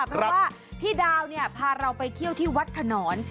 เพราะว่าพี่ดาวเนี่ยพาเราไปเที่ยวที่วัดขนอน